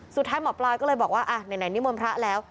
สุดท้ายหมอปลาก็เลยบอกว่าไหนนิมนต์พระแล้ว